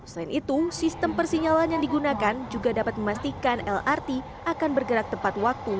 selain itu sistem persinyalan yang digunakan juga dapat memastikan lrt akan bergerak tepat waktu